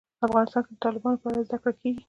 افغانستان کې د تالابونو په اړه زده کړه کېږي.